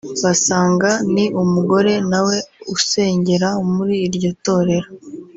basanga ni umugore nawe usengera muri iryo Torero